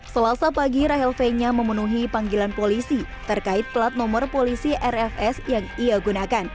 selasa pagi rahel fenya memenuhi panggilan polisi terkait plat nomor polisi rfs yang ia gunakan